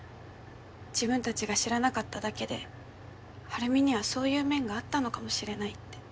自分たちが知らなかっただけで晴美にはそういう面があったのかもしれないって。